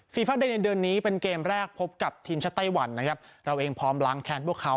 ฟาเดย์ในเดือนนี้เป็นเกมแรกพบกับทีมชาติไต้หวันนะครับเราเองพร้อมล้างแค้นพวกเขา